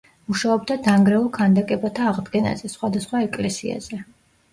მუშაობდა დანგრეულ ქანდაკებათა აღდგენაზე, სხვადასხვა ეკლესიაზე.